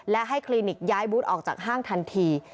และให้คลินิกย้ายบูธออกจากห้างทันที